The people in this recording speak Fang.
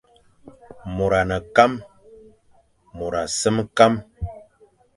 Môr a ne kam, môr a sem kam,